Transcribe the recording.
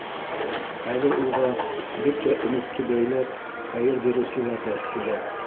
Хәҙер уға бөтә өмөттө бәйләп хәйер биреүселәр ҙә һирәк.